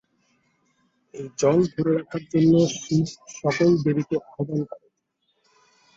এই জল ধরে রাখার জন্য শিব সকল দেবীকে আহবান করেন।